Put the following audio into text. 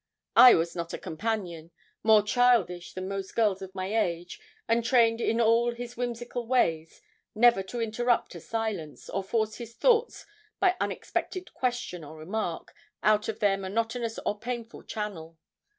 I was not a companion more childish than most girls of my age, and trained in all his whimsical ways, never to interrupt a silence, or force his thoughts by unexpected question or remark out of their monotonous or painful channel.